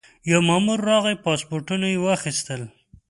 یو مامور راغی پاسپورټونه یې واخیستل.